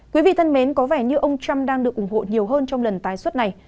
quý vị thân mến có vẻ như ông trump đang được ủng hộ nhiều hơn trong lần tái xuất này